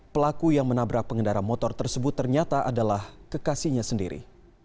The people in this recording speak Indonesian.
pelaku yang menabrak pengendara motor tersebut ternyata adalah kekasihnya sendiri